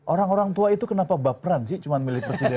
orang orang tua itu kenapa baperan sih cuma milik presiden